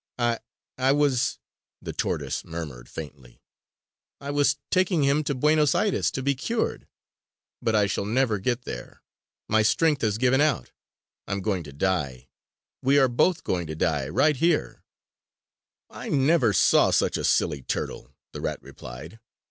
"I ... I was ..." the tortoise murmured faintly, "I was taking him to Buenos Aires to be cured ... but I shall never get there.... My strength has given out.... I am going to die ... we are both going to die, right here!" "I never saw such a silly turtle!" the rat replied.